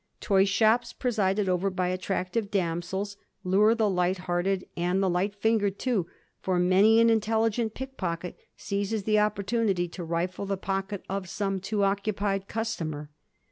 Toy shops, presided over by attractive damsels, lure the light hearted and the light fingered too, for many an intelligent pickpocket seizes the opportunity to rifle the pocket of some too occupied customer.